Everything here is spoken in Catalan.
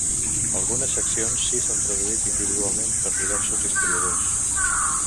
Algunes seccions si s'han traduït individualment per diversos historiadors.